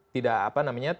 tidak apa namanya